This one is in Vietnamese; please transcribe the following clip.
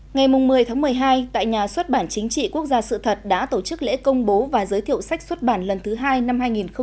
ngày một mươi một mươi hai tại nhà xuất bản chính trị quốc gia sự thật đã tổ chức lễ công bố và giới thiệu sách xuất bản lần thứ hai năm hai nghìn một mươi chín